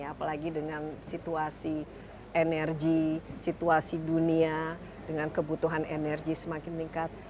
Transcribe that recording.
apalagi dengan situasi energi situasi dunia dengan kebutuhan energi semakin meningkat